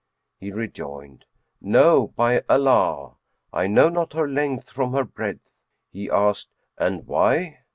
He rejoined, "No, by Allah! I know not her length from her breadth." He asked "And why?"